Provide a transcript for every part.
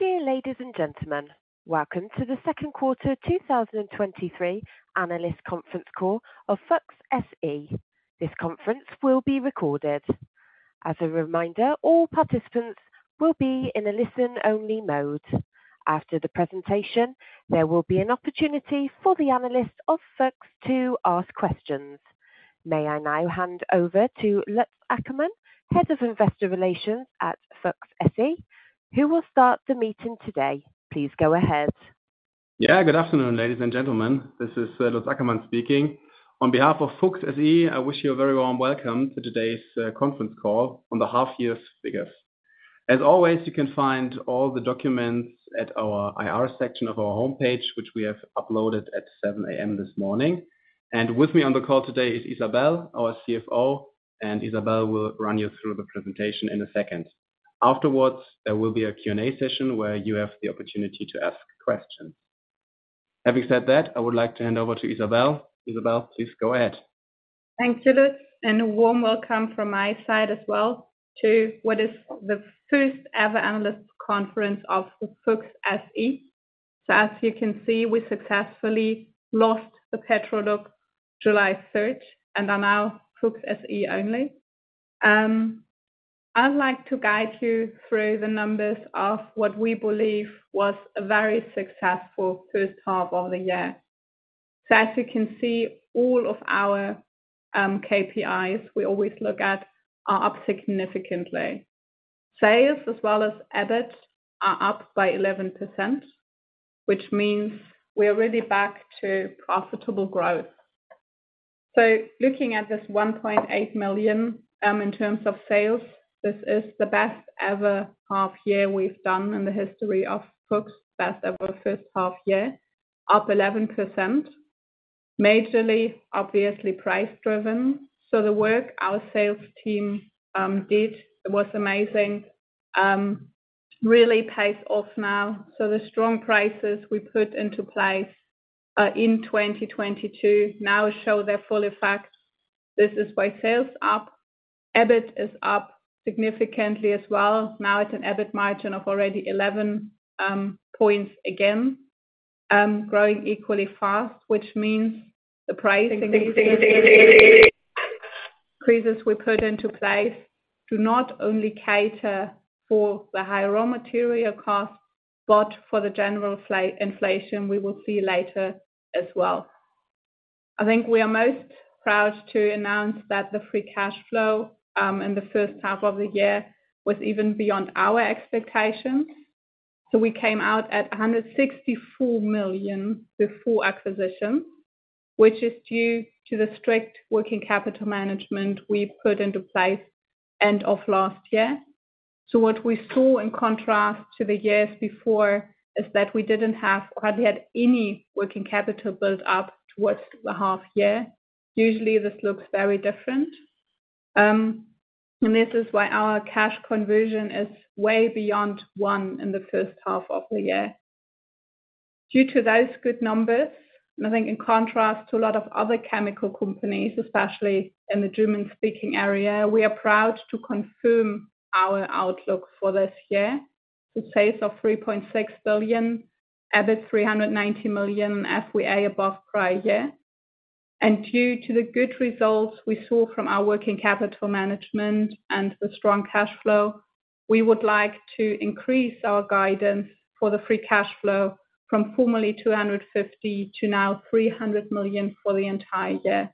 Dear ladies and gentlemen, welcome to the 2Q 2023 analyst conference call of Fuchs SE. This conference will be recorded. As a reminder, all participants will be in a listen-only mode. After the presentation, there will be an opportunity for the analyst of Fuchs to ask questions. May I now hand over to Lutz Ackermann, Head of investor relations at Fuchs SE, who will start the meeting today. Please go ahead. Yeah. Good afternoon, ladies and gentlemen. This is Lutz Ackermann speaking. On behalf of Fuchs SE, I wish you a very warm welcome to today's conference call on the half-year's figures. As always, you can find all the documents at our IR section of our homepage, which we have uploaded at 7:00 A.M. this morning. With me on the call today is Isabelle, our CFO, and Isabelle will run you through the presentation in a second. Afterwards, there will be a Q and A session where you have the opportunity to ask questions. Having said that, I would like to hand over to Isabelle. Isabelle, please go ahead. Thanks, Lutz, a warm welcome from my side as well to what is the first-ever analyst conference of Fuchs SE. As you can see, we successfully lost the Petrolub SE and are now Fuchs SE only. I'd like to guide you through the numbers of what we believe was a very successful first half of the year. As you can see, all of our KPIs, we always look at are up significantly. Sales as well as EBIT are up by 11%, which means we are really back to profitable growth. Looking at this 1.8 million in terms of sales, this is the best ever half-year we've done in the history of Fuchs. Best ever first half-year, up 11%, majorly, obviously, price-driven. The work our sales team did was amazing, really pays off now. The strong prices we put into place in 2022 now show their full effect. This is why sales up. EBIT is up significantly as well. Now it's an EBIT margin of already 11 points again, growing equally fast. Which means the pricing increases we put into place do not only cater for the high raw material costs, but for the general inflation we will see later as well. I think we are most proud to announce that the free cash flow in the first-half of the year was even beyond our expectations. We came out at 164 million before acquisition, which is due to the strict working capital management we put into place end of last year. What we saw, in contrast to the years before, is that we didn't have hardly had any working capital build up towards the half-year. Usually, this looks very different. This is why our cash conversion is way beyond one in the first-half of the year. Due to those good numbers, I think in contrast to a lot of other chemical companies, especially in the German-speaking area, we are proud to confirm our outlook for this year, the sales of 3.6 billion, EBIT 390 million, FVA above prior year. Due to the good results we saw from our working capital management and the strong cash flow, we would like to increase our guidance for the free cash flow from formerly 250 million to now 300 million for the entire year.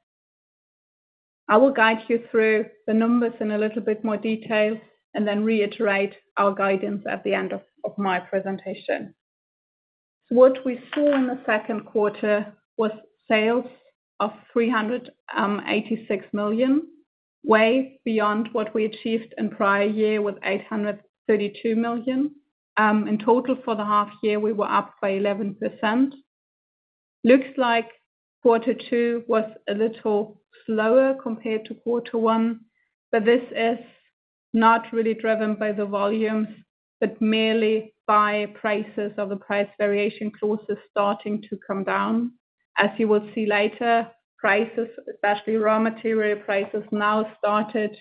I will guide you through the numbers in a little bit more detail and then reiterate our guidance at the end of, of my presentation. What we saw in the second-quarter was sales of 386 million, way beyond what we achieved in prior year with 832 million. In total, for the half-year, we were up by 11%. Looks like quarter two was a little slower compared to quarter one, but this is not really driven by the volumes, but merely by prices of the price variation clauses starting to come down. As you will see later, prices, especially raw material prices, now started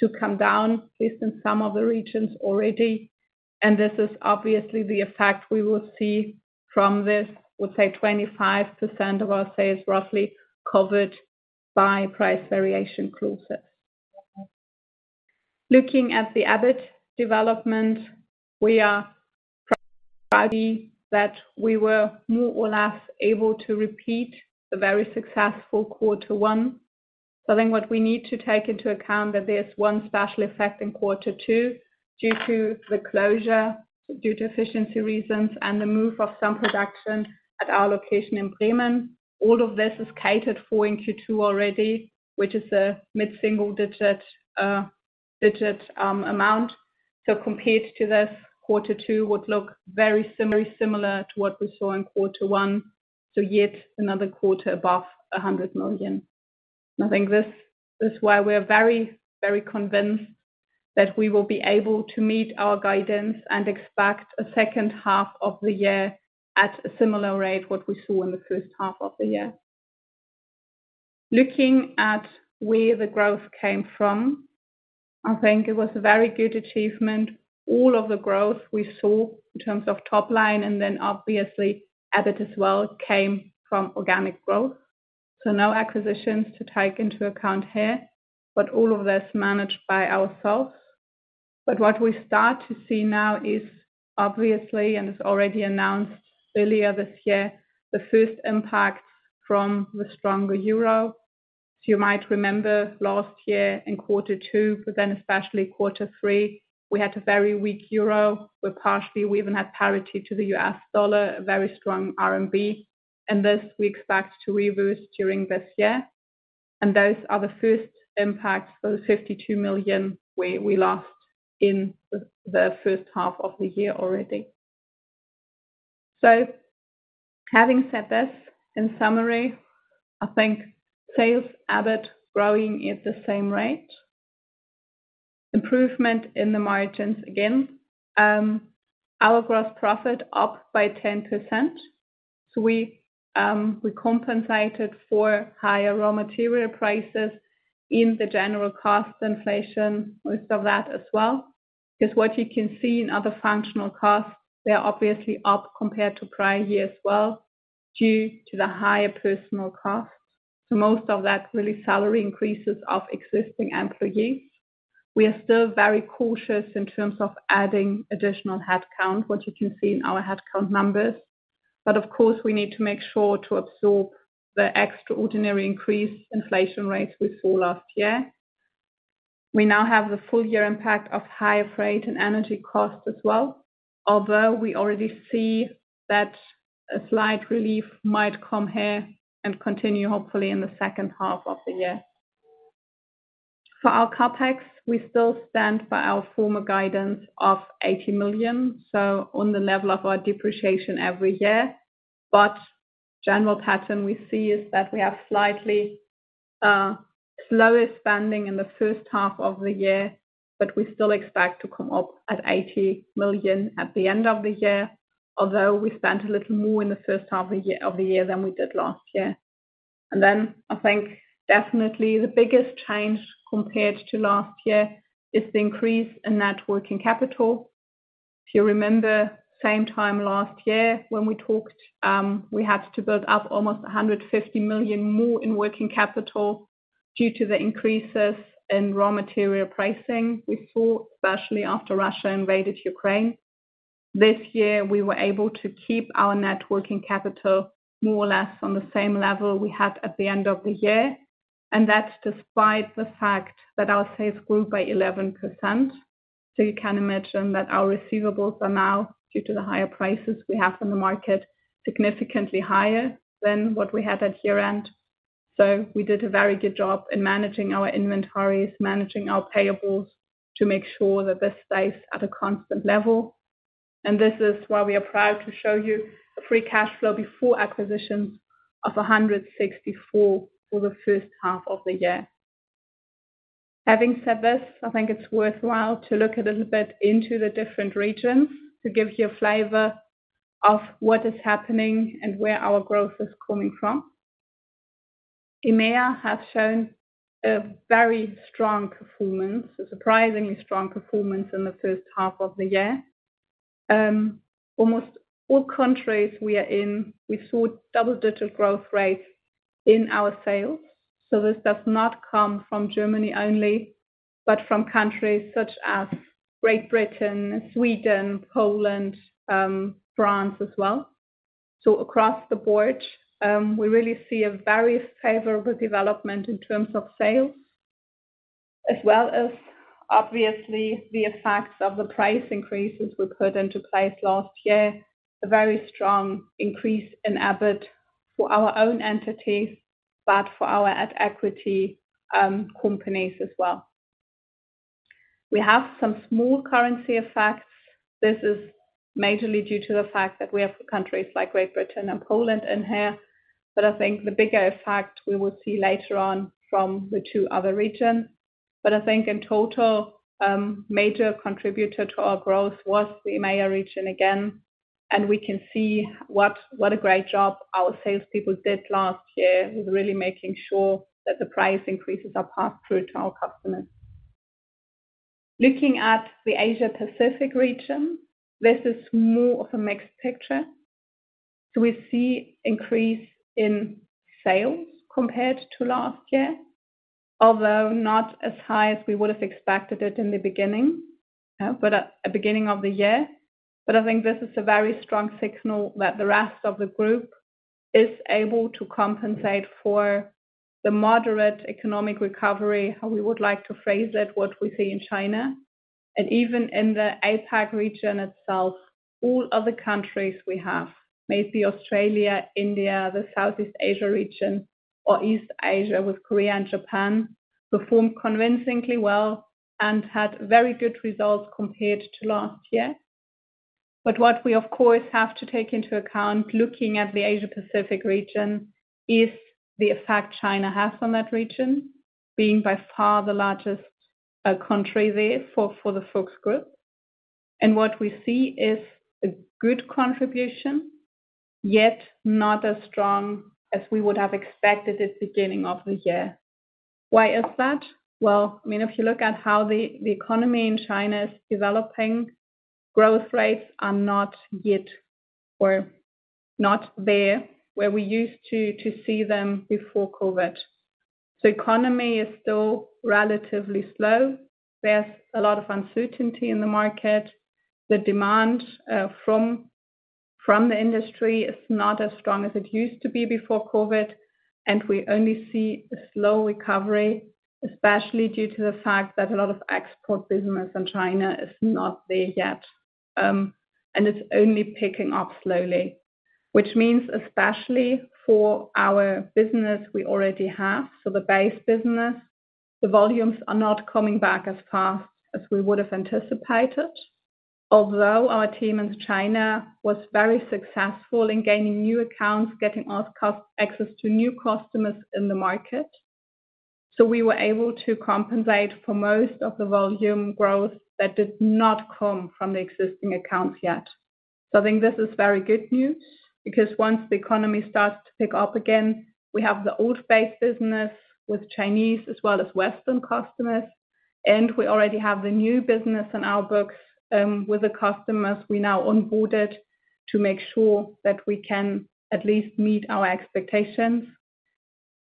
to come down, at least in some of the regions already, and this is obviously the effect we will see from this, we'll say, 25% of our sales, roughly, covered by price variation clauses. Looking at the EBIT development, we were more or less able to repeat the very successful quarter one. What we need to take into account that there's one special effect in quarter two due to the closure, due to efficiency reasons and the move of some production at our location in Bremen. All of this is catered for in Q2 already, which is a mid single-digit amount. Compared to this, quarter two would look very similar to what we saw in quarter one. Yet another quarter above 100 million. I think this is why we are very, very convinced that we will be able to meet our guidance and expect a second half of the year at a similar rate, what we saw in the first half of the year. Looking at where the growth came from, I think it was a very good achievement. All of the growth we saw in terms of top line, and then obviously, EBIT as well, came from organic growth. No acquisitions to take into account here, but all of this managed by ourselves. What we start to see now is obviously, and it's already announced earlier this year, the first impact from the stronger Euro. You might remember last year in quarter two, but then especially quarter three, we had a very weak Euro, but partially, we even had parity to the U.S. dollar, a very strong RMB, and this we expect to reverse during this year. Those are the first impacts, those Euro 52 million we lost in the first half of the year already. Having said this, in summary, I think sales EBIT growing at the same rate, improvement in the margins again, our gross profit up by 10%. We compensated for higher raw material prices in the general cost inflation, most of that as well. What you can see in other functional costs, they are obviously up compared to prior year as well, due to the higher personal costs. Most of that really salary increases of existing employees. We are still very cautious in terms of adding additional headcount, what you can see in our headcount numbers. Of course, we need to make sure to absorb the extraordinary increase inflation rates we saw last year. We now have the full year impact of higher freight and energy costs as well, although we already see that a slight relief might come here and continue, hopefully, in the second half of the year. For our CapEx, we still stand by our former guidance of 80 million, so on the level of our depreciation every year. General pattern we see is that we have slightly slower spending in the first half of the year, but we still expect to come up at 80 million at the end of the year, although we spent a little more in the first half of the year than we did last year. Then I think definitely the biggest change compared to last year is the increase in net working capital. If you remember, same time last year when we talked, we had to build up almost 150 million more in working capital due to the increases in raw material pricing we saw, especially after Russia invaded Ukraine. This year, we were able to keep our net working capital more or less on the same level we had at the end of the year, and that's despite the fact that our sales grew by 11%. You can imagine that our receivables are now, due to the higher prices we have in the market, significantly higher than what we had at year-end. We did a very good job in managing our inventories, managing our payables, to make sure that they stay at a constant level. This is why we are proud to show you a free cash flow before acquisitions of 164 for the first half of the year. Having said this, I think it's worthwhile to look a little bit into the different regions, to give you a flavor of what is happening and where our growth is coming from. EMEA has shown a very strong performance, a surprisingly strong performance in the first-half of the year. Almost all countries we are in, we saw double-digit growth rates in our sales. This does not come from Germany only, but from countries such as Great Britain, Sweden, Poland, France as well. Across the board, we really see a very favorable development in terms of sales, as well as obviously, the effects of the price increases we put into place last year, a very strong increase in EBIT for our own entities, but for our at equity companies as well. We have some small currency effects. This is majorly due to the fact that we have countries like Great Britain and Poland in here, I think the bigger effect we will see later on from the two other regions. I think in total, major contributor to our growth was the EMEA region again, and we can see what, what a great job our salespeople did last year with really making sure that the price increases are passed through to our customers. Looking at the Asia Pacific region, this is more of a mixed picture. We see increase in sales compared to last year, although not as high as we would have expected it in the beginning, but at beginning of the year. I think this is a very strong signal that the rest of the Fuchs Group is able to compensate for the moderate economic recovery, how we would like to phrase it, what we see in China. Even in the APAC region itself, all of the countries we have, may it be Australia, India, the Southeast Asia region, or East Asia, with Korea and Japan, performed convincingly well and had very good results compared to last year. What we, of course, have to take into account looking at the Asia Pacific region is the effect China has on that region, being by far the largest country there for, for the Fuchs Group. What we see is a good contribution, yet not as strong as we would have expected at the beginning of the year. Why is that? Well, I mean, if you look at how the economy in China is developing, growth rates are not yet or not there, where we used to see them before COVID. The economy is still relatively slow. There's a lot of uncertainty in the market. The demand from the industry is not as strong as it used to be before COVID, and we only see a slow recovery, especially due to the fact that a lot of export business in China is not there yet, and it's only picking up slowly. Which means especially for our business we already have, so the base business, the volumes are not coming back as fast as we would have anticipated. Although our team in China was very successful in gaining new accounts, getting us access to new customers in the market. We were able to compensate for most of the volume growth that did not come from the existing accounts yet. I think this is very good news, because once the economy starts to pick up again, we have the old base business with Chinese as well as Western customers, and we already have the new business on our books, with the customers we now onboarded, to make sure that we can at least meet our expectations.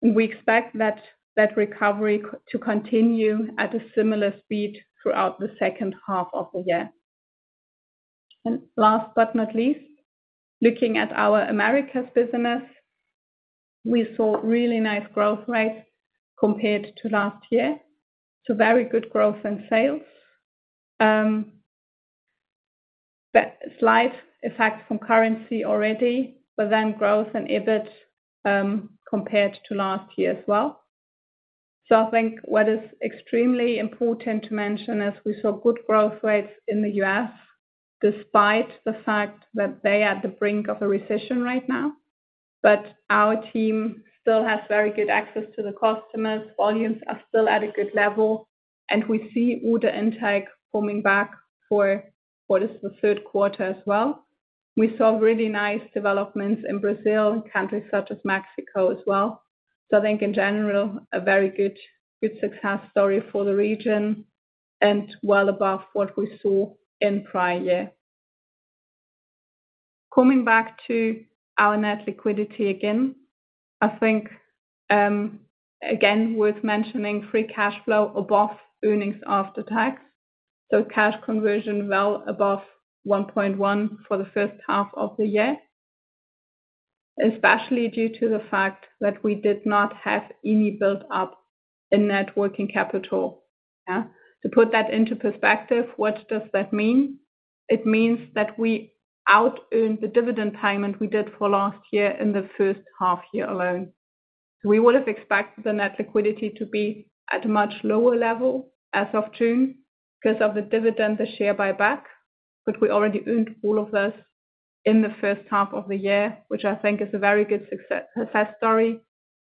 We expect that, that recovery to continue at a similar speed throughout the second half of the year. Last but not least, looking at our Americas business, we saw really nice growth rates compared to last year, very good growth in sales. Slight effect from currency already, then growth and EBIT compared to last year as well. I think what is extremely important to mention is we saw good growth rates in the U.S., despite the fact that they are at the brink of a recession right now. Our team still has very good access to the customers. Volumes are still at a good level, and we see order intake coming back for what is the third-quarter as well. We saw really nice developments in Brazil, and countries such as Mexico as well. I think in general, a very good, good success story for the region and well above what we saw in prior year. Coming back to our net liquidity again, I think, again, worth mentioning, free cash flow above earnings-after-tax, so cash conversion well above 1.1 for the first-half of the year, especially due to the fact that we did not have any build-up in net working capital, yeah. To put that into perspective, what does that mean? It means that we out earned the dividend payment we did for last year in the first half-year alone. We would have expected the net liquidity to be at a much lower level as of June, because of the dividend, the share buyback, but we already earned all of this in the first-half of the year, which I think is a very good success, success story,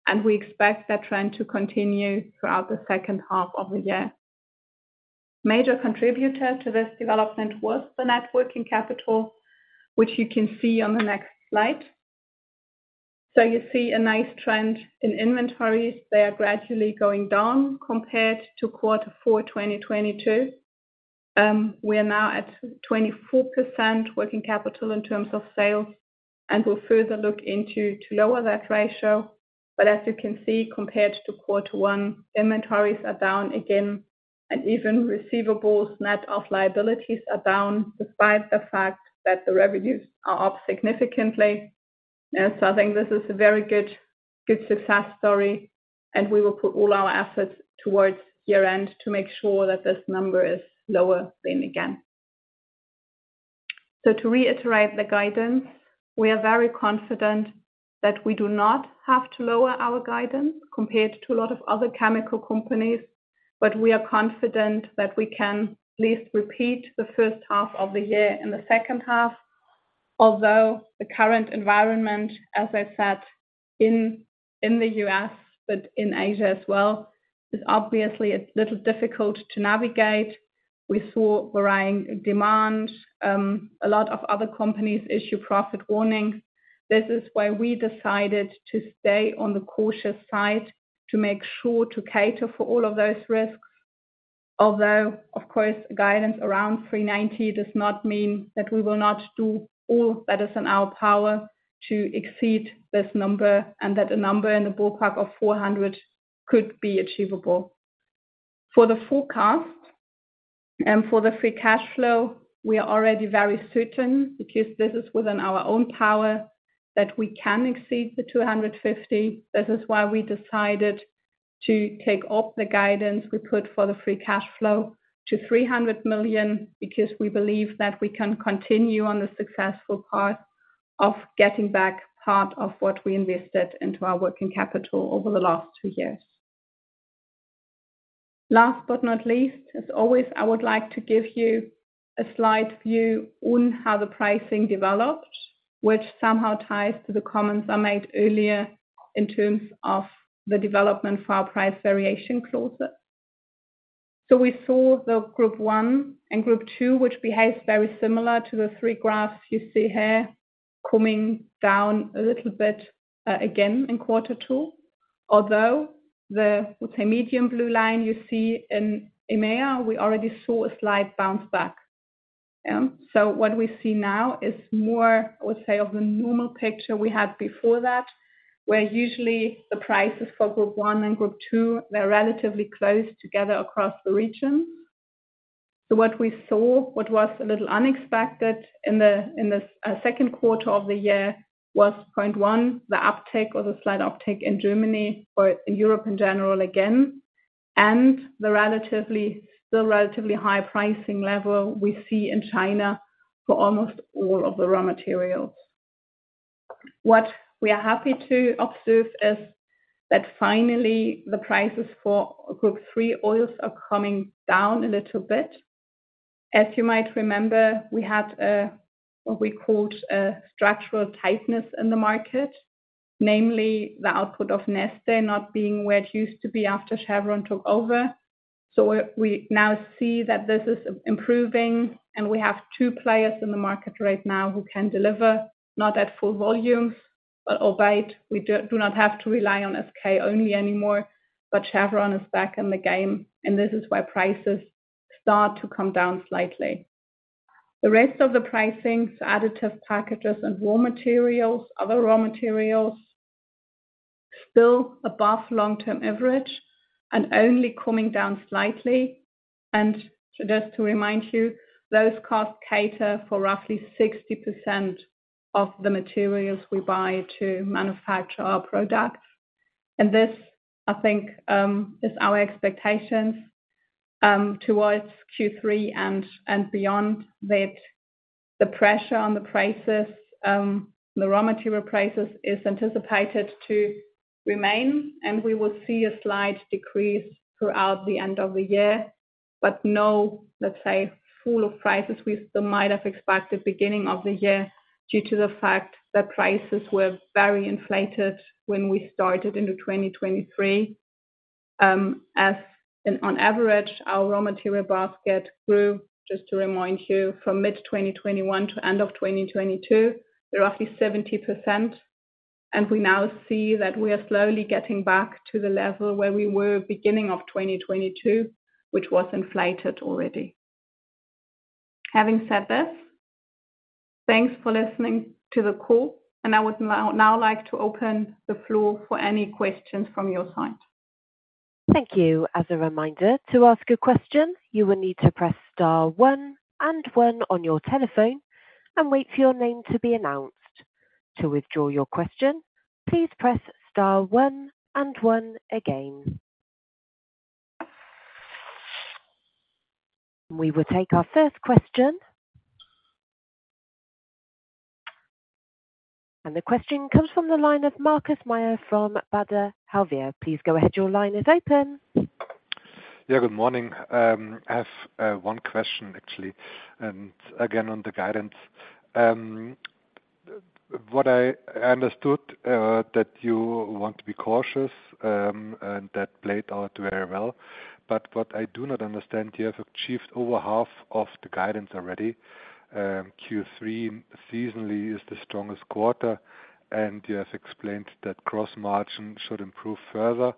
and we expect that trend to continue throughout the second-half of the year. Major contributor to this development was the net working capital, which you can see on the next slide. You see a nice trend in inventories. They are gradually going down compared to Q4 2022. We are now at 24% working capital in terms of sales, and we'll further look into to lower that ratio. As you can see, compared to quarter one, inventories are down again, and even receivables, net of liabilities, are down, despite the fact that the revenues are up significantly. I think this is a very good, good success story, and we will put all our efforts towards year-end to make sure that this number is lower than again. To reiterate the guidance, we are very confident that we do not have to lower our guidance compared to a lot of other chemical companies, but we are confident that we can at least repeat the first-half of the year in the second-half. Although the current environment, as I said, in the US, but in Asia as well, is obviously a little difficult to navigate. We saw varying demand, a lot of other companies issue profit warnings. This is why we decided to stay on the cautious side to make sure to cater for all of those risks. Although, of course, guidance around 390 does not mean that we will not do all that is in our power to exceed this number, and that a number in the ballpark of 400 could be achievable. For the forecast and for the free cash flow, we are already very certain, because this is within our own power, that we can exceed 250 million. This is why we decided to take up the guidance we put for the free cash flow to 300 million, because we believe that we can continue on the successful path of getting back part of what we invested into our working capital over the last two years. Last but not least, as always, I would like to give you a slide view on how the pricing developed, which somehow ties to the comments I made earlier in terms of the development for our price variation clauses. We saw the Group I and Group II, which behaves very similar to the three graphs you see here, coming down a little bit again in quarter two. Although, the, let's say, medium blue line you see in EMEA, we already saw a slight bounce back. What we see now is more, I would say, of the normal picture we had before that, where usually the prices for Group I and Group II, they're relatively close together across the region. What we saw, what was a little unexpected in the second-quarter of the year, was point one, the uptick or the slight uptick in Germany or in Europe in general, again, and the relatively, the relatively high pricing level we see in China for almost all of the raw materials. What we are happy to observe is that finally, the prices for Group III oils are coming down a little bit. As you might remember, we had what we called a structural tightness in the market, namely the output of Neste not being where it used to be after Chevron took over. We now see that this is improving, and we have two players in the market right now who can deliver, not at full volume, but albeit we do not have to rely on SK only anymore, but Chevron is back in the game, and this is why prices start to come down slightly. The rest of the pricing, additive packages and raw materials, other raw materials, still above long-term average and only coming down slightly. Just to remind you, those costs cater for roughly 60% of the materials we buy to manufacture our products. This, I think, is our expectations towards Q3 and beyond, that the pressure on the prices, the raw material prices, is anticipated to remain, and we will see a slight decrease throughout the end of the year. But no, let's say, full of prices we still might have expected beginning of the year, due to the fact that prices were very inflated when we started into 2023. As on average, our raw material basket grew, just to remind you, from mid-2021 to end of 2022, to roughly 70%, and we now see that we are slowly getting back to the level where we were beginning of 2022, which was inflated already. Having said this, thanks for listening to the call, and I would now like to open the floor for any questions from your side. Thank you. As a reminder, to ask a question, you will need to press star one and one on your telephone and wait for your name to be announced. To withdraw your question, please press star one and one again. We will take our first question. The question comes from the line of Markus Mayer from Baader Helvea. Please go ahead. Your line is open. Good morning. I have one question, actually, and again, on the guidance. What I understood, that you want to be cautious, and that played out very well. What I do not understand, you have achieved over half of the guidance already. Q3 seasonally is the strongest quarter, and you have explained that gross margin should improve further.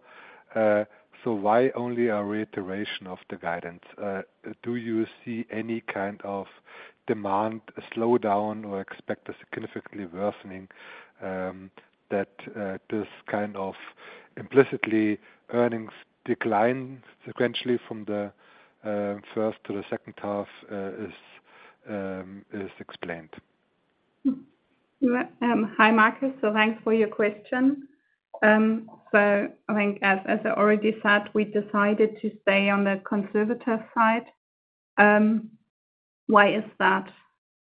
Why only a reiteration of the guidance? Do you see any kind of demand slowdown or expect a significantly worsening, that this kind of implicitly earnings decline sequentially from the first to the second half, is explained? Hi, Marcus. Thanks for your question. I think as, as I already said, we decided to stay on the conservative side. Why is that?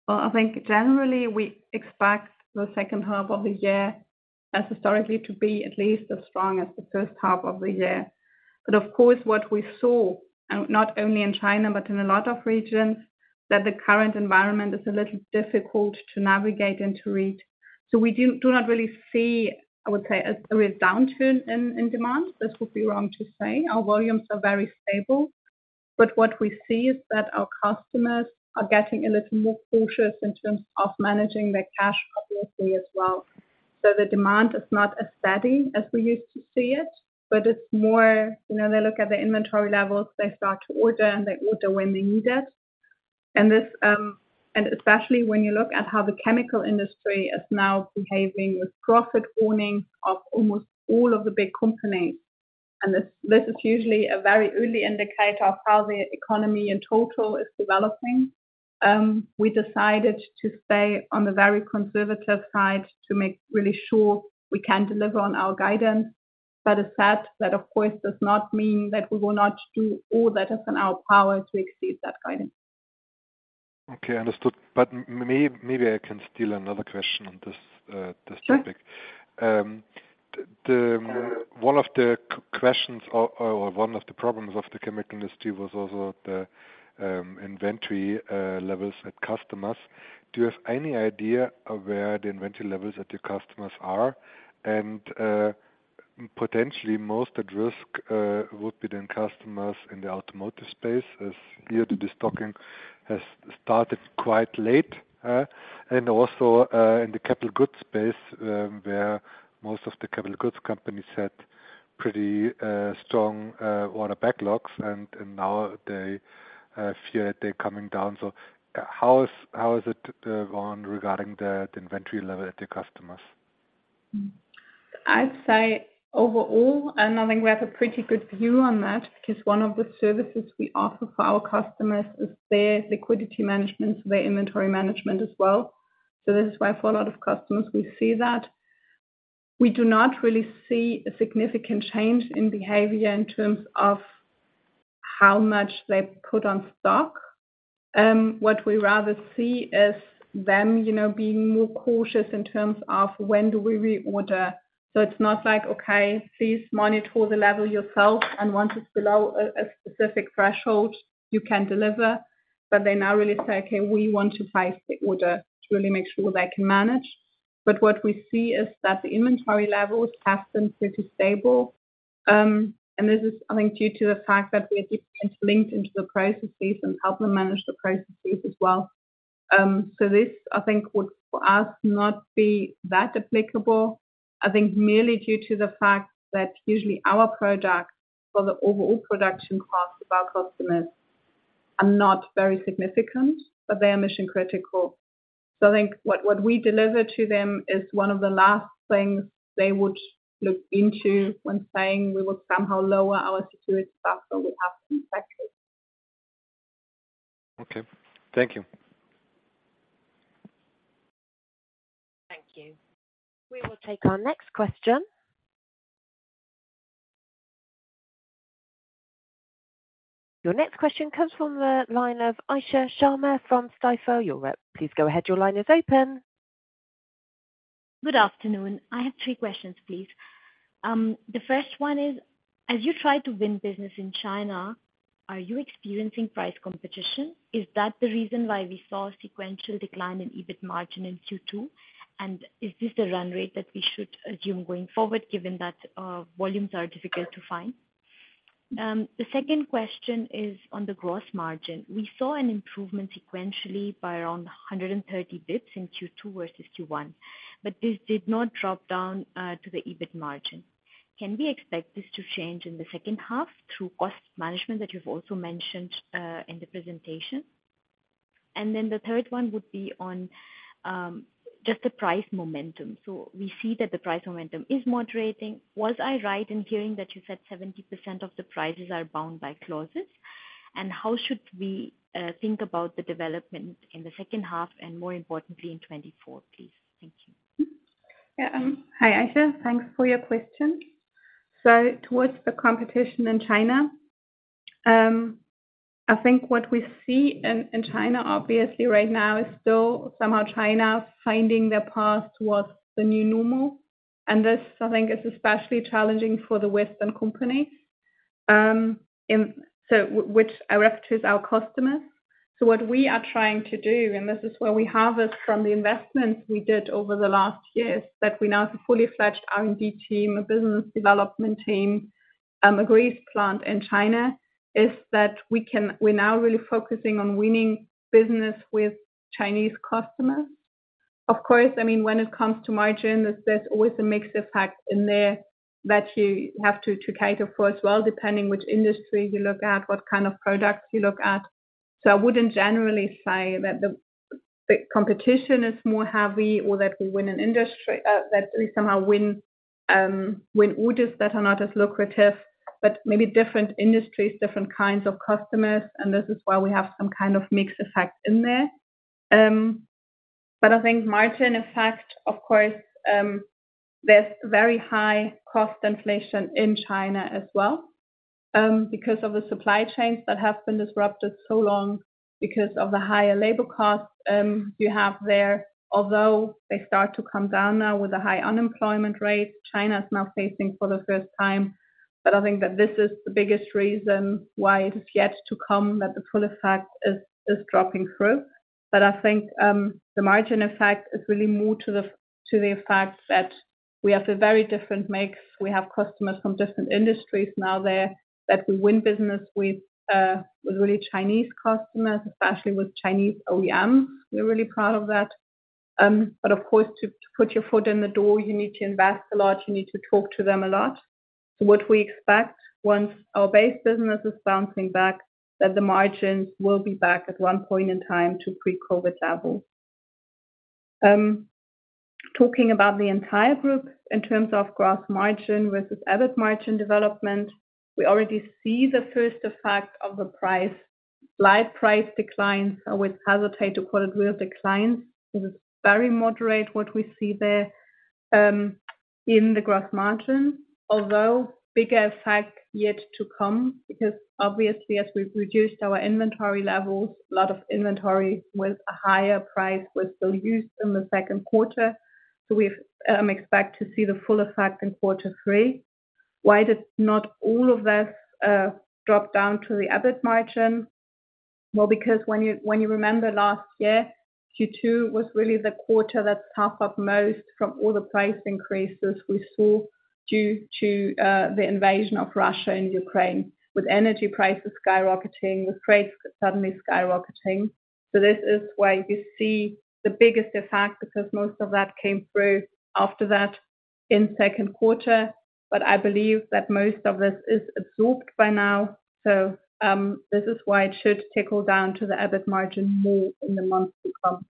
Well, I think generally we expect the second-half of the year as historically, to be at least as strong as the first half of the year. Of course, what we saw, and not only in China, but in a lot of regions, that the current environment is a little difficult to navigate and to read. We do not really see, I would say, a real downturn in, in demand. This would be wrong to say. Our volumes are very stable, but what we see is that our customers are getting a little more cautious in terms of managing their cash flow obviously, as well. The demand is not as steady as we used to see it, but it's more, you know, they look at the inventory levels, they start to order, and they order when they need it. This, and especially when you look at how the chemical industry is now behaving with profit warning of almost all of the big companies, and this, this is usually a very early indicator of how the economy in total is developing. We decided to stay on the very conservative side to make really sure we can deliver on our guidance. That is said, that of course, does not mean that we will not do all that is in our power to exceed that guidance. Okay, understood. May, maybe I can steal another question on this, this topic. Sure. The one of the questions or, or one of the problems of the chemical industry was also the inventory levels at customers. Do you have any idea of where the inventory levels at your customers are? Potentially most at risk would be the customers in the automotive space, as here the destocking has started quite late. Also, in the capital goods space, where most of the capital goods companies had pretty strong order backlogs, and now they fear they're coming down. How is, how is it going regarding the inventory level at the customers? I'd say overall, and I think we have a pretty good view on that, because one of the services we offer for our customers is their liquidity management, their inventory management as well. This is why for a lot of customers, we see that. We do not really see a significant change in behavior in terms of how much they put on stock. What we rather see is them, you know, being more cautious in terms of when do we reorder. It's not like, okay, please monitor the level yourself, and once it's below a specific threshold, you can deliver. They now really say, "Okay, we want to place the order to really make sure they can manage." What we see is that the inventory levels have been pretty stable. This is, I think, due to the fact that we are linked into the price space and help them manage the price space as well. This, I think, would, for us, not be that applicable. I think merely due to the fact that usually our products for the overall production cost of our customers are not very significant, but they are mission critical. I think what, what we deliver to them is one of the last things they would look into when saying we would somehow lower our safety stock, so we have to impact it. Okay. Thank you. Thank you. We will take our next question. Your next question comes from the line of Isha Sharma from Stifel Europe. Please go ahead. Your line is open. Good afternoon. I have three questions, please. The first one is, as you try to win business in China, are you experiencing price competition? Is that the reason why we saw a sequential decline in EBIT margin in Q2? Is this the run rate that we should assume going forward, given that volumes are difficult to find? The second question is on the gross margin. We saw an improvement sequentially by around 130 basis points in Q2 versus Q1, this did not drop down to the EBIT margin. Can we expect this to change in the second-half through cost management that you've also mentioned in the presentation? The third one would be on just the price momentum. We see that the price momentum is moderating. Was I right in hearing that you said 70% of the prices are bound by clauses? How should we think about the development in the second-half and more importantly, in 2024, please? Thank you. Yeah, hi, Isha. Thanks for your question. Towards the competition in China, I think what we see in, in China, obviously right now, is still somehow China finding their path towards the new normal. This, I think, is especially challenging for the western company. Which I refer to as our customers. What we are trying to do, and this is where we harvest from the investments we did over the last years, that we now have a fully fledged R&D team, a business development team, a grease plant in China, is that we're now really focusing on winning business with Chinese customers. Of course, I mean, when it comes to margin, there's, there's always a mixed effect in there that you have to, to cater for as well, depending which industry you look at, what kind of products you look at. I wouldn't generally say that the, the competition is more heavy or that we win an industry, that we somehow win, win orders that are not as lucrative, but maybe different industries, different kinds of customers, and this is why we have some kind of mixed-effect in there. I think margin-eeffect, of course, there's very high cost inflation in China as well, because of the supply chains that have been disrupted so long, because of the higher labor costs, you have there. They start to come down now with a high unemployment rate, China is now facing for the first time. I think that this is the biggest reason why it is yet to come, that the full effect is dropping through. I think the margin effect is really more to the effect that we have a very different mix. We have customers from different industries now there, that we win business with, with really Chinese customers, especially with Chinese OEM. We're really proud of that. Of course, to put your foot in the door, you need to invest a lot, you need to talk to them a lot. What we expect once our base business is bouncing back, that the margins will be back at one point in time to pre-COVID level. Talking about the entire group in terms of gross margin versus EBIT margin development, we already see the first effect of the price, light price declines. I would hesitate to call it real declines. It is very moderate what we see there in the gross margin. Bigger effect yet to come, because obviously as we've reduced our inventory levels, a lot of inventory with a higher price was still used in the second-quarter. We've expect to see the full effect in quarter three. Why did not all of this drop down to the EBIT margin? Because when you, when you remember last year, Q2 was really the quarter that suffered most from all the price increases we saw due to the invasion of Russia and Ukraine, with energy prices skyrocketing, with trades suddenly skyrocketing. This is why you see the biggest effect, because most of that came through after that in second-quarter. I believe that most of this is absorbed by now, this is why it should tickle down to the EBIT margin more in the months to come.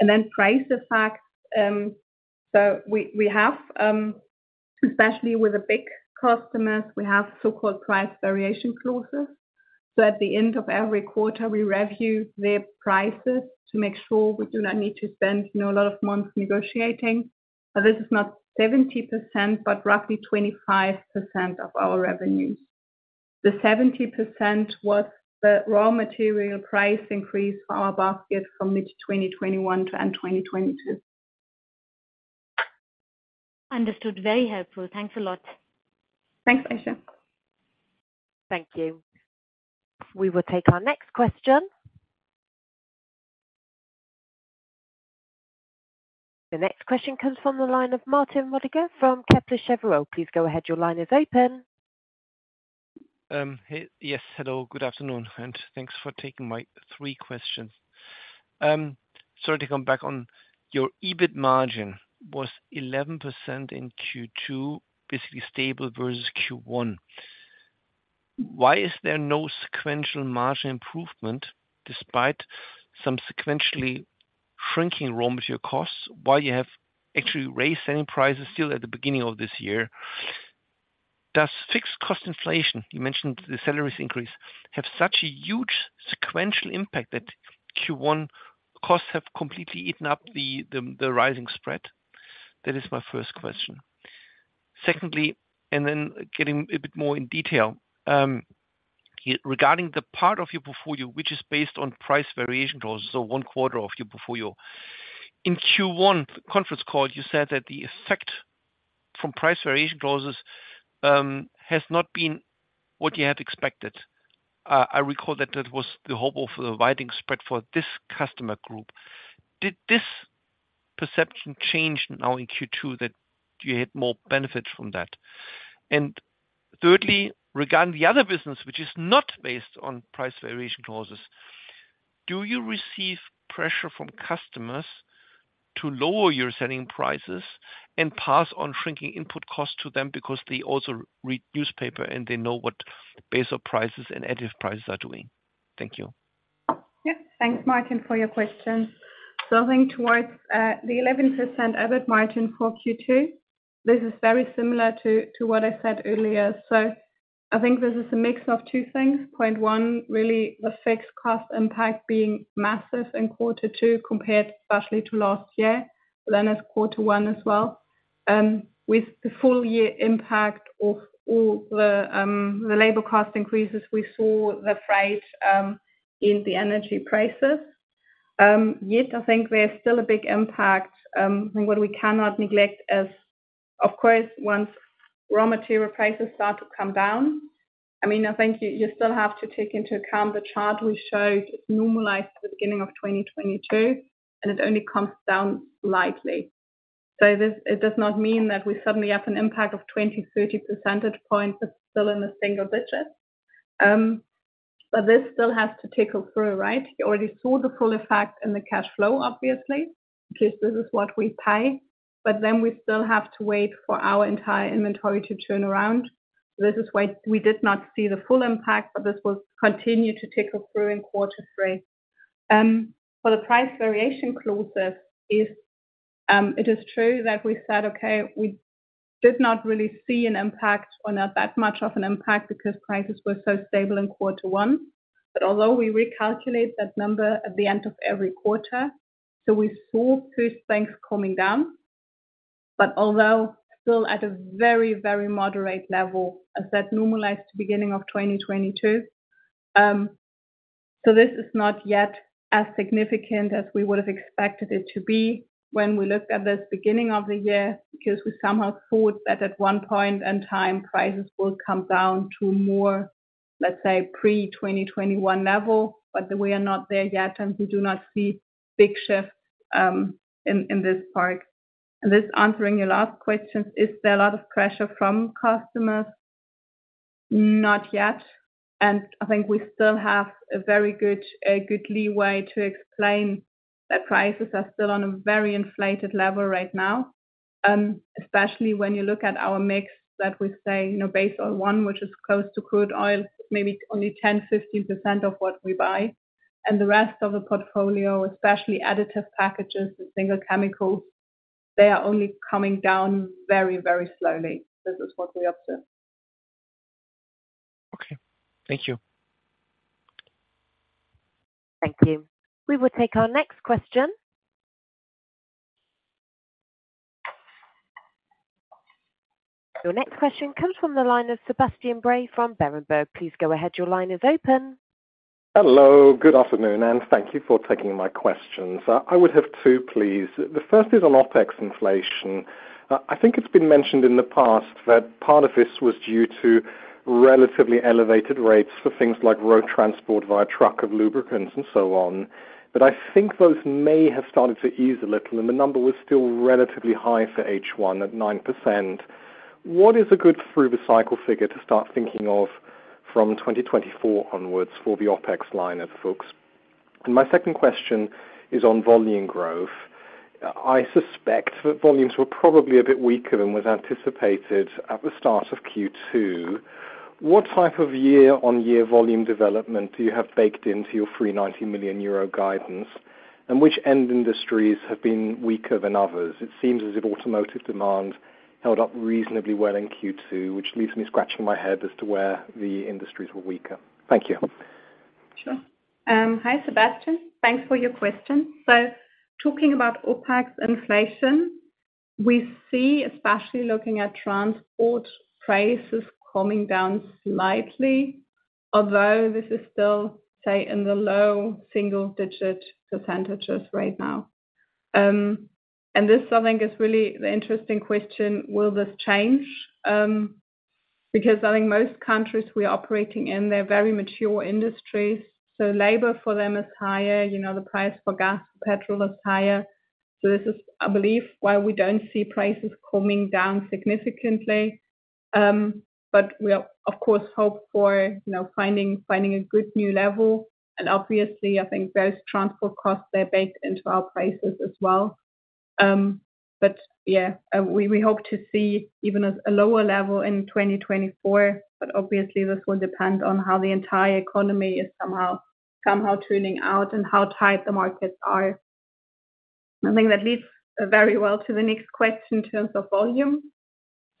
Then price effect, we, we have, especially with the big customers, we have so-called price variation clauses. At the end of every quarter, we review their prices to make sure we do not need to spend, you know, a lot of months negotiating. This is not 70%, but roughly 25% of our revenue. The 70% was the raw material price increase for our basket from mid-2021 to end-2022. Understood. Very helpful. Thanks a lot. Thanks, Isha. Thank you. We will take our next question. The next question comes from the line of Martin Roediger from Kepler Cheuvreux. Please go ahead. Your line is open. Hey. Yes, hello, good afternoon, and thanks for taking my three questions. To come back on your EBIT margin was 11% in Q2, basically stable versus Q1. Why is there no sequential margin improvement despite some sequentially shrinking raw material costs, while you have actually raised selling prices still at the beginning of this year? Does fixed cost inflation, you mentioned the salaries increase, have such a huge sequential impact that Q1 costs have completely eaten up the, the, the rising spread? That is my first question. Secondly, then getting a bit more in detail, regarding the part of your portfolio, which is based on price variation clauses, so one quarter of your portfolio. In Q1 conference call, you said that the effect from price variation clauses has not been what you had expected. I recall that that was the hope of the widening spread for this customer group. Did this perception change now in Q2, that you had more benefit from that? Thirdly, regarding the other business, which is not based on price variation clauses, do you receive pressure from customers to lower your selling prices and pass on shrinking input costs to them? Because they also read newspaper and they know what base oil prices and additive prices are doing. Thank you. Yeah. Thanks, Martin, for your questions. I think towards the 11% EBIT margin for Q2, this is very similar to what I said earlier. I think this is a mix of two things. Point one, really the fixed cost impact being massive in Q2, compared especially to last year, then as Q1 as well. With the full-year impact of all the labor cost increases, we saw the price in the energy prices. Yet I think there is still a big impact, and what we cannot neglect is, of course, once raw material prices start to come down. I mean, I think you still have to take into account the chart we showed, it's normalized at the beginning of 2022, and it only comes down slightly. This — it does not mean that we suddenly have an impact of 20, 30 percentage points, it's still in the single-digits. But this still has to tickle through, right? You already saw the full effect in the cash flow, obviously, because this is what we pay, but then we still have to wait for our entire inventory to turn around. This is why we did not see the full impact, but this will continue to tickle through in quarter three. For the price variation clauses, if it is true that we said, okay, we did not really see an impact or not that much of an impact because prices were so stable in quarter one. Although we recalculate that number at the end of every quarter, so we saw first things coming down, but although still at a very, very moderate level, as that normalized beginning of 2022. This is not yet as significant as we would have expected it to be when we looked at this beginning of the year, because we somehow thought that at one point in time, prices will come down to more, let's say, pre-2021 level, but we are not there yet, and we do not see big shifts in, in this part. This answering your last question, is there a lot of pressure from customers? Not yet, and I think we still have a very good leeway to explain that prices are still on a very inflated level right now. Especially when you look at our mix that we say, you know, base-oil one, which is close to crude oil, maybe only 10-15% of what we buy. The rest of the portfolio, especially additive packages and single chemicals, they are only coming down very, very slowly. This is what we observe. Okay. Thank you. Thank you. We will take our next question. Your next question comes from the line of Sebastian Bray from Berenberg. Please go ahead. Your line is open. Hello, good afternoon, and thank you for taking my questions. I would have two, please. The first is on OpEx inflation. I think it's been mentioned in the past that part of this was due to relatively elevated rates for things like road transport via truck of lubricants and so on. I think those may have started to ease a little, and the number was still relatively high for H1 at 9%. What is a good through-the-cycle figure to start thinking of from 2024 onwards for the OpEx line of books? My second question is on volume growth. I suspect that volumes were probably a bit weaker than was anticipated at the start of Q2. What type of year-on-year volume development do you have baked into your free 90 million euro guidance? Which end industries have been weaker than others? It seems as if automotive demand held up reasonably well in Q2, which leaves me scratching my head as to where the industries were weaker. Thank you. Sure. Hi, Sebastian. Thanks for your question. Talking about OpEx inflation, we see, especially looking at transport prices coming down slightly, although this is still, say, in the low single-digit % right now. This, I think, is really the interesting question: will this change? Because I think most countries we are operating in, they're very mature industries, so labor for them is higher. You know, the price for gas, petrol is higher. This is, I believe, why we don't see prices coming down significantly. But we, of course, hope for, you know, finding, finding a good new level. Obviously, I think those transport costs are baked into our prices as well. Yeah, we, we hope to see even a, a lower level in 2024, but obviously this will depend on how the entire economy is somehow, somehow turning out and how tight the markets are. I think that leads very well to the next question in terms of volume.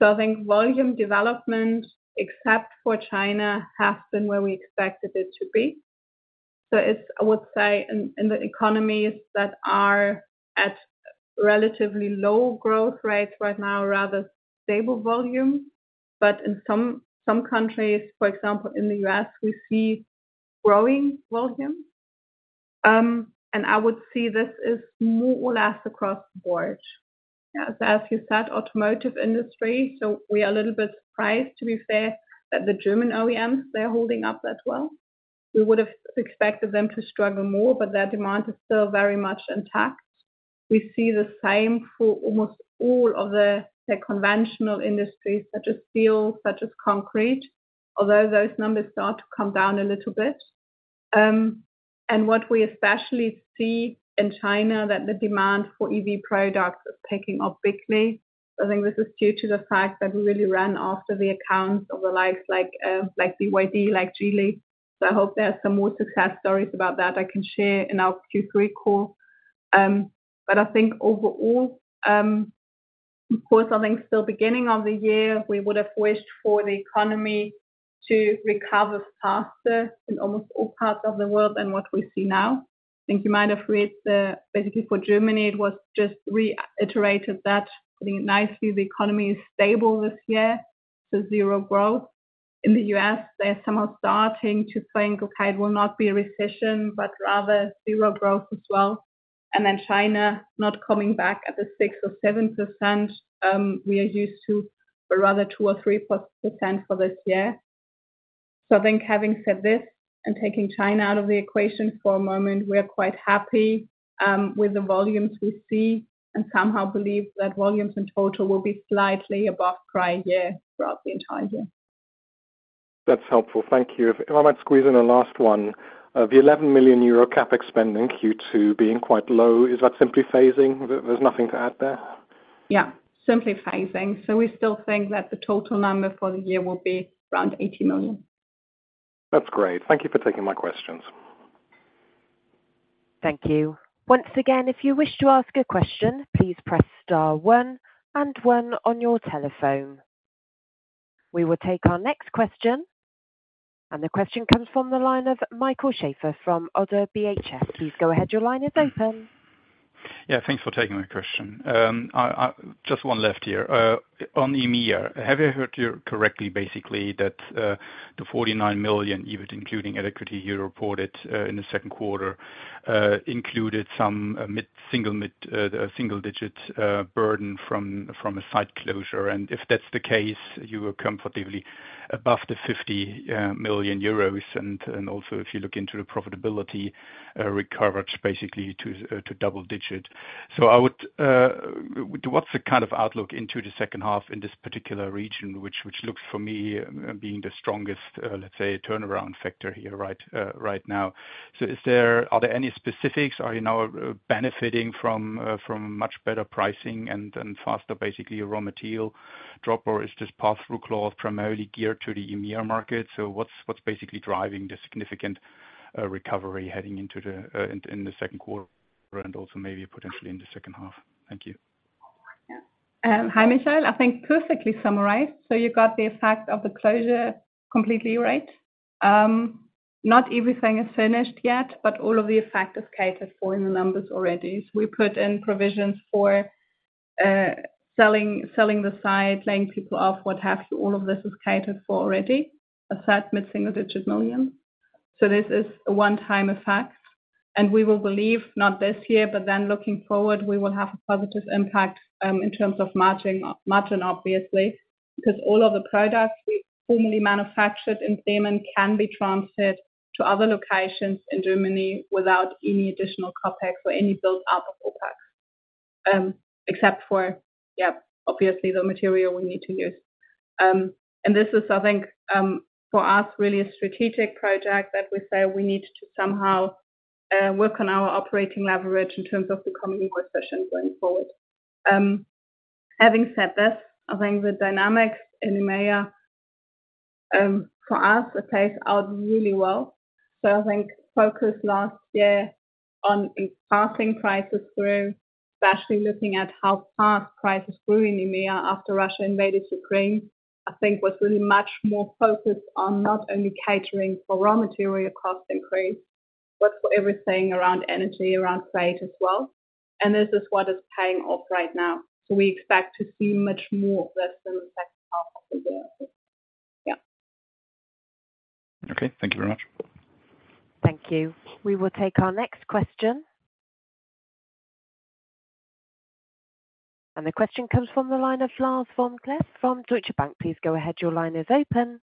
I think volume development, except for China, has been where we expected it to be. It's, I would say, in, in the economies that are at relatively low growth rates right now, rather stable volume. In some, some countries, for example, in the US, we see growing volume. I would see this is more or less across the board. As you said, automotive industry, we are a little bit surprised, to be fair, that the German OEMs, they're holding up that well. We would have expected them to struggle more, but their demand is still very much intact. We see the same for almost all of the conventional industries, such as steel, such as concrete, although those numbers start to come down a little bit. What we especially see in China, that the demand for EV products is picking up quickly. I think this is due to the fact that we really ran after the accounts of the likes, like BYD, like Geely. I hope there are some more success stories about that I can share in our Q3 call. I think, overall, of course, I think still beginning of the year, we would have wished for the economy to recover faster in almost all parts of the world than what we see now. I think you might have read the — basically, for Germany, it was just reiterated that pretty nicely, the economy is stable this year, so zero growth. In the US, they're somehow starting to think, okay, it will not be a recession, but rather zero growth as well. China not coming back at the 6% or 7% we are used to, but rather 2% or 3% for this year. Having said this, and taking China out of the equation for a moment, we are quite happy with the volumes we see and somehow believe that volumes in total will be slightly above prior year throughout the entire year. That's helpful. Thank you. If I might squeeze in a last one? The 11 million euro CapEx spend in Q2 being quite low, is that simply phasing? There, there's nothing to add there. Yeah, simply phasing. We still think that the total number for the year will be around 80 million. That's great. Thank you for taking my questions. Thank you. Once again, if you wish to ask a question, please press star one and one on your telephone. We will take our next question. The question comes from the line of Michael Schaefer from ODDO BHF. Please go ahead. Your line is open. Yeah, thanks for taking my question. I, I... Just one left here. On EMEA, have I heard you correctly, basically, that the 49 million, including equity you reported in the second-quarter, included some mid, single mid, single-digit burden from a site closure? If that's the case, you were comfortably above the 50 million euros. Also if you look into the profitability, recovered basically to double-digit. I would, what's the kind of outlook into the second half in this particular region, which looks for me being the strongest, let's say, turnaround factor here, right now. Are there any specifics? Are you now benefiting from, from much better pricing and, and faster, basically, raw material drop, or is this pass-through clause primarily geared to the EMEA market? What's, what's basically driving the significant recovery heading into the second-quarter and also maybe potentially in the second half? Thank you. Hi, Michael, I think perfectly summarized. You got the effect of the closure completely right. Not everything is finished yet, but all of the effect is catered for in the numbers already. We put in provisions for selling, selling the site, laying people off, what have you. All of this is catered for already, a set EUR mid-single-digit million. This is a one-time effect, and we will believe, not this year, but then looking forward, we will have a positive impact in terms of matching margin, obviously, because all of the products formerly manufactured in Germany can be transferred to other locations in Germany without any additional CapEx or any built up of OpEx, except for, obviously, the material we need to use. This is, I think, for us, really a strategic project that we say we need to somehow work on our operating leverage in terms of becoming more efficient going forward. Having said this, I think the dynamics in EMEA, for us, it plays out really well. I think focus last year on passing prices through, especially looking at how fast prices grew in EMEA after Russia invaded Ukraine, I think was really much more focused on not only catering for raw material cost increase, but for everything around energy, around freight as well. This is what is paying off right now. We expect to see much more of this in the second half of the year. Okay, thank you very much. Thank you. We will take our next question. The question comes from the line of Lars Vom-Cleff from Deutsche Bank. Please go ahead. Your line is open.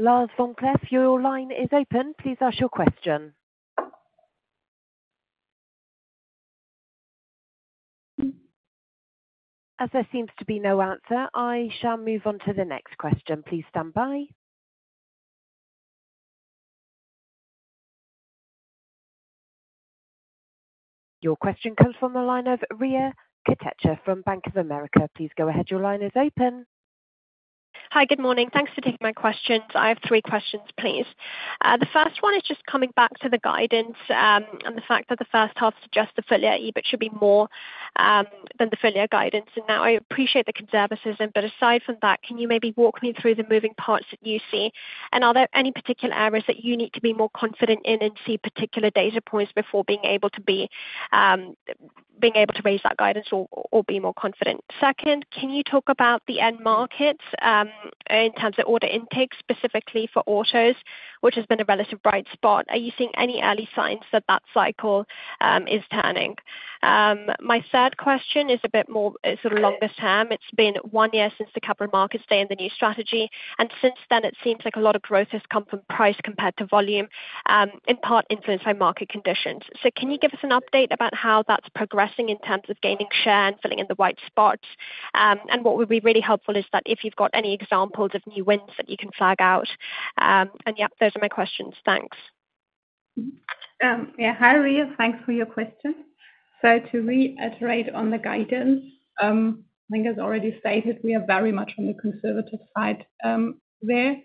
Lars Vom-Cleff, your line is open. Please ask your question. As there seems to be no answer, I shall move on to the next question. Please stand by. Your question comes from the line of Riya Kotecha from Bank of America. Please go ahead, your line is open. Hi, good morning. Thanks for taking my questions. I have three questions, please. The first one is just coming back to the guidance, and the fact that the first half suggest the full year but should be more than the full year guidance. Now, I appreciate the conservatism, but aside from that, can you maybe walk me through the moving parts that you see? Are there any particular areas that you need to be more confident in and see particular data points before being able to be, being able to raise that guidance or, or be more confident? Second, can you talk about the end-markets, in terms of order intake, specifically for autos, which has been a relative bright spot. Are you seeing any early signs that that cycle is turning? My third question is a bit more, it's longer term. It's been one year since the Capital Markets Day and the new strategy, and since then, it seems like a lot of growth has come from price compared to volume, in part influenced by market conditions. Can you give us an update about how that's progressing in terms of gaining share and filling in the white spots? What would be really helpful is that if you've got any examples of new wins that you can flag out. Yeah, those are my questions. Thanks. Yeah. Hi, Riya. Thanks for your question. To reiterate on the guidance, I think it's already stated we are very much on the conservative side there.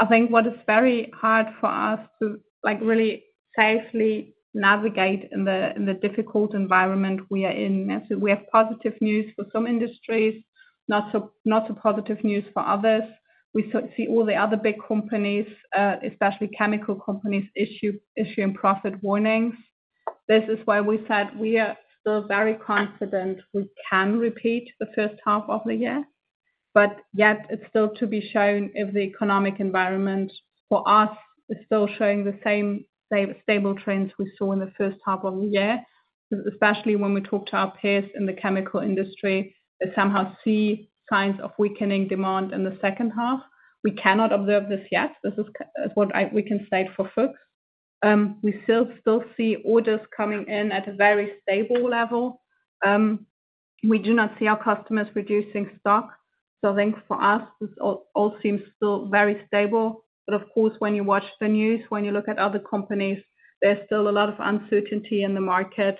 I think what is very hard for us to, like, really safely navigate in the, in the difficult environment we are in. We have positive news for some industries, not so, not so positive news for others. We see all the other big companies, especially chemical companies, issue, issuing profit warnings. This is why we said we are still very confident we can repeat the first-half of the year, but yet it's still to be shown if the economic environment for us is still showing the same stable trends we saw in the first half of the year, especially when we talk to our peers in the chemical industry, they somehow see signs of weakening demand in the second-half. We cannot observe this yet. This is what we can say for Fuchs. We still, still see orders coming in at a very stable level. We do not see our customers reducing stock. I think for us, this all, all seems still very stable. Of course, when you watch the news, when you look at other companies, there's still a lot of uncertainty in the market,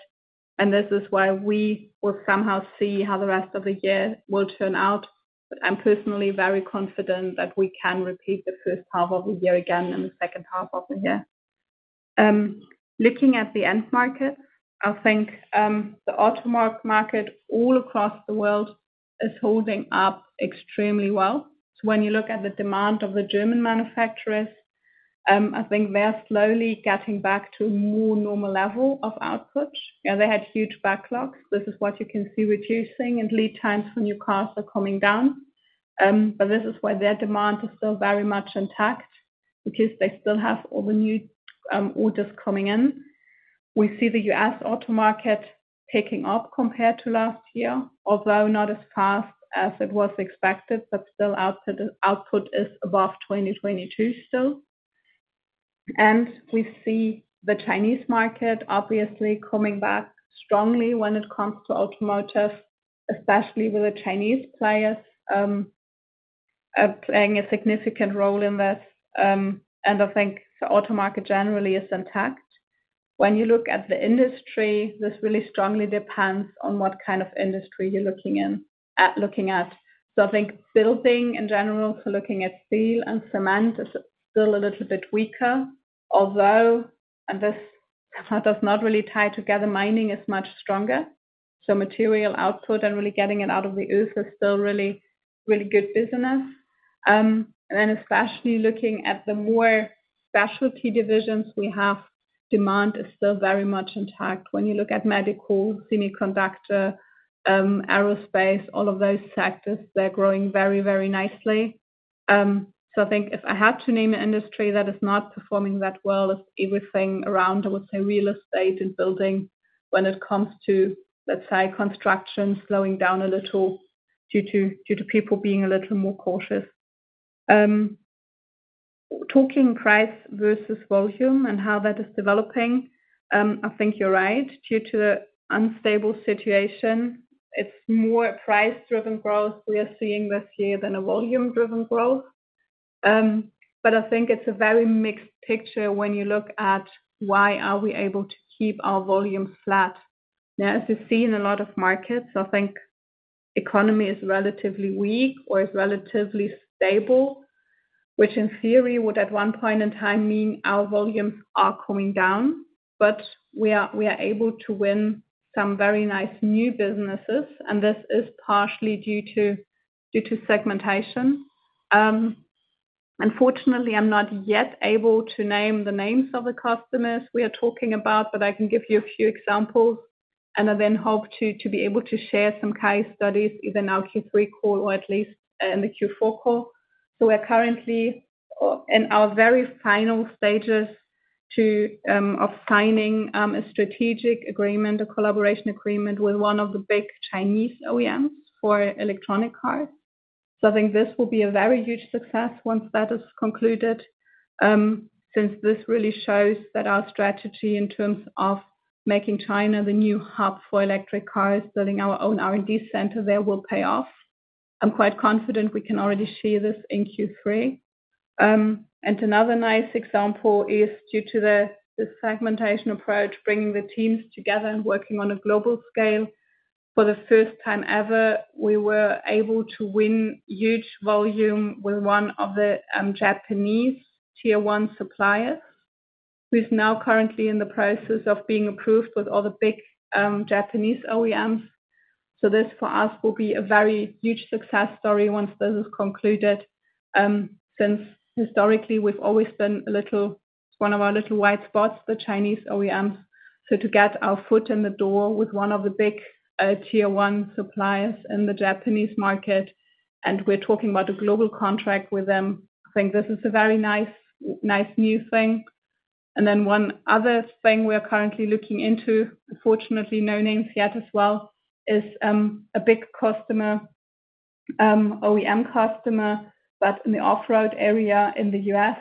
and this is why we will somehow see how the rest of the year will turn out. I'm personally very confident that we can repeat the first half of the year again in the second half of the year. Looking at the end market, I think, the auto market all across the world is holding up extremely well. When you look at the demand of the German manufacturers, I think they are slowly getting back to a more normal level of output. Yeah, they had huge backlogs. This is what you can see reducing and lead times for new cars are coming down. This is why their demand is still very much intact, because they still have all the new orders coming in. We see the U.S. auto market picking up compared to last year, although not as fast as it was expected, but still output, output is above 2022 still. We see the Chinese market obviously coming back strongly when it comes to automotive, especially with the Chinese players playing a significant role in this. I think the auto market generally is intact. When you look at the industry, this really strongly depends on what kind of industry you're looking at. I think building in general, looking at steel and cement, is still a little bit weaker, although, and this does not really tie together, mining is much stronger. Material output and really getting it out of the earth is still really, really good business. Especially looking at the more specialty divisions we have, demand is still very much intact. When you look at medical, semiconductor, aerospace, all of those sectors, they're growing very, very nicely. I think if I had to name an industry that is not performing that well, it's everything around, I would say, real estate and building when it comes to, let's say, construction slowing down a little due to, due to people being a little more cautious. Talking price versus volume and how that is developing, I think you're right. Due to the unstable situation, it's more a price-driven growth we are seeing this year than a volume-driven growth. I think it's a very mixed picture when you look at why are we able to keep our volume flat. As you see in a lot of markets, I think economy is relatively weak or is relatively stable, which in theory would, at one point in time, mean our volumes are coming down. We are able to win some very nice new businesses. This is partially due to segmentation. Unfortunately, I'm not yet able to name the names of the customers we are talking about. I can give you a few examples. I then hope to be able to share some case studies, either in our Q3 call or at least in the Q4 call. We're currently in our very final stages to — of signing a strategic agreement, a collaboration agreement, with one of the big Chinese OEMs for electronic cars. I think this will be a very huge success once that is concluded, since this really shows that our strategy in terms of making China the new hub for electric cars, building our own R&D center there, will pay off. I'm quite confident we can already see this in Q3. Another nice example is due to the, the segmentation approach, bringing the teams together and working on a global scale. For the first time ever, we were able to win huge volume with one of the Japanese tier one suppliers, who is now currently in the process of being approved with all the big Japanese OEMs. This, for us, will be a very huge success story once this is concluded. Since historically, we've always been a little... One of our little white spots, the Chinese OEMs, so to get our foot in the door with one of the big tier one suppliers in the Japanese market, and we're talking about a global contract with them. I think this is a very nice, nice new thing. Then one other thing we are currently looking into, unfortunately, no names yet as well, is a big customer, OEM customer, but in the off-road area in the US.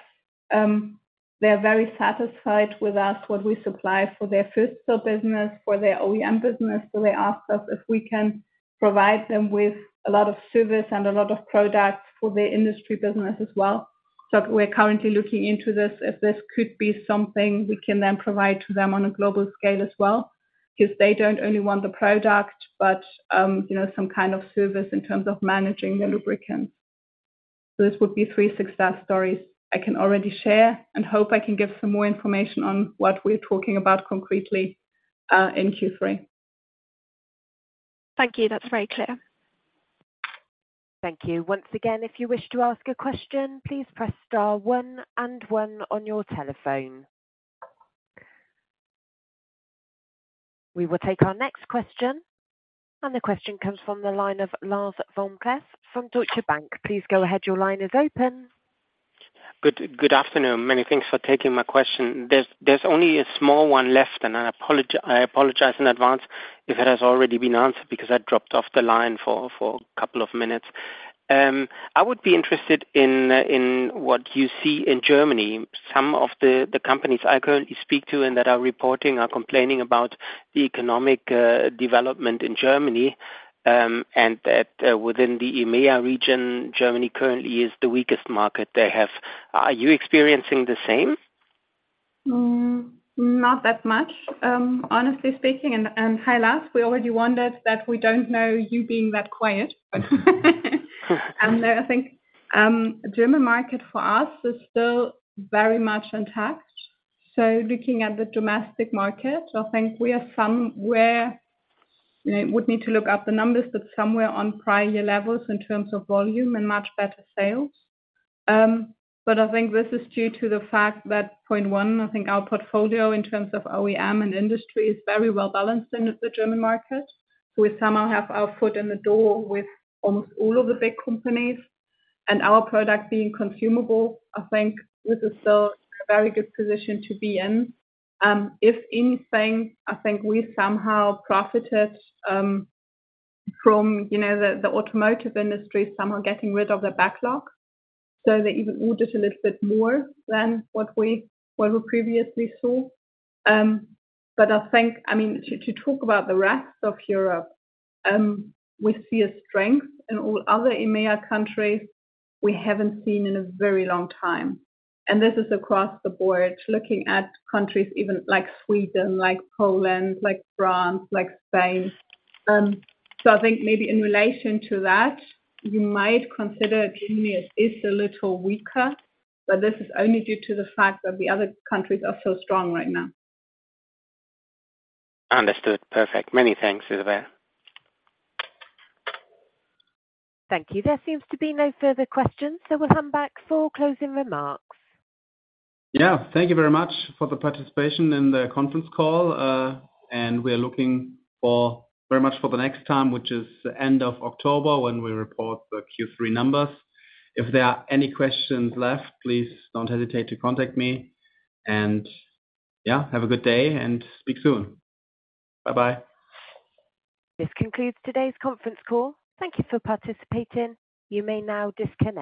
They're very satisfied with us, what we supply for their first fill business, for their OEM business, so they asked us if we can provide them with a lot of service and a lot of products for their industry business as well. We're currently looking into this, if this could be something we can then provide to them on a global scale as well, because they don't only want the product, but, you know, some kind of service in terms of managing the lubricants. This would be three success stories I can already share, and hope I can give some more information on what we're talking about concretely in Q3. Thank you. That's very clear. Thank you. Once again, if you wish to ask a question, please press star one and one on your telephone. We will take our next question. The question comes from the line of Lars Vom-Cleff from Deutsche Bank. Please go ahead. Your line is open. Good, good afternoon. Many thanks for taking my question. There's only a small one left, and I apologize in advance if it has already been answered, because I dropped off the line for a couple of minutes. I would be interested in, in what you see in Germany. Some of the companies I currently speak to and that are reporting are complaining about the economic development in Germany, and that within the EMEA region, Germany currently is the weakest market they have. Are you experiencing the same? Not that much. Honestly speaking, and hi, Lars, we already wondered that we don't know you being that quiet. I think, German market for us is still very much intact. Looking at the domestic market, I think we are somewhere, I would need to look up the numbers, but somewhere on prior levels in terms of volume and much better sales. I think this is due to the fact that, point one, I think our portfolio in terms of OEM and industry is very well balanced in the German market. We somehow have our foot in the door with almost all of the big companies, and our product being consumable, I think this is still a very good position to be in. If anything, I think we somehow profited, from, you know, the, the automotive industry somehow getting rid of the backlog, so they even ordered a little bit more than what we, what we previously saw. I think, I mean, to talk about the rest of Europe, we see a strength in all other EMEA countries we haven't seen in a very long time, and this is across the board, looking at countries even like Sweden, like Poland, like France, like Spain. I think maybe in relation to that, you might consider Germany is a little weaker, but this is only due to the fact that the other countries are so strong right now. Understood. Perfect. Many thanks, Isabelle. Thank you. There seems to be no further questions. We'll come back for closing remarks. Yeah. Thank you very much for the participation in the conference call, and we are looking for very much for the next time, which is the end of October, when we report the Q3 numbers. If there are any questions left, please don't hesitate to contact me. Yeah, have a good day and speak soon. Bye-bye. This concludes today's conference call. Thank you for participating. You may now disconnect.